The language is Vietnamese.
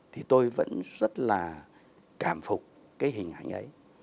thì tôi vẫn rất là cảm phục cái hình ảnh ấy